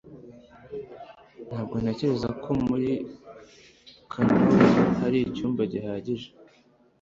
ntabwo ntekereza ko muri kanoe hari icyumba gihagije